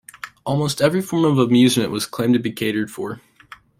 Almost every form of amusement was claimed to be catered for.